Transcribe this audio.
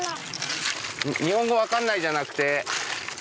日本語わからないじゃなくて。